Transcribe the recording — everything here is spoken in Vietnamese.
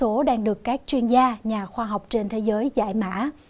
một ẩn số đang được các chuyên gia nhà khoa học trên thế giới giải mã